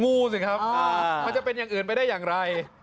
งูสิครับมันจะเป็นอย่างอื่นไปได้อย่างไร